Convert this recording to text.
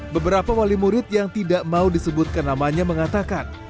beberapa wali murid yang tidak mau disebutkan namanya mengatakan